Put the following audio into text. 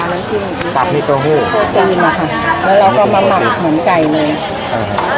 มันปิ้งปับมีโต๊ะหู้แล้วเราก็มาหมับเหมือนไก่เลยอ่า